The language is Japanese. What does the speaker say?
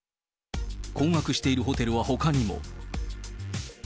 困惑しているホテルはほかにも。